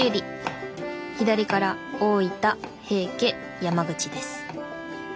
左から大分平家山口です。